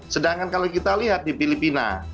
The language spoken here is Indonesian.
sedangkan kalau kita lihat di filipina